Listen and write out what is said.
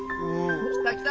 来た来た！